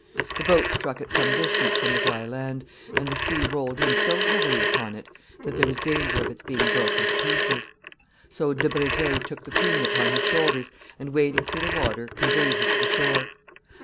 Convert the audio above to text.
The boat struck at some distance from the dry land, and the sea rolled in so heavily upon it that there was danger of its being broken to pieces; so De Brezé took the queen upon his shoulders, and, wading through the water, conveyed her to the shore.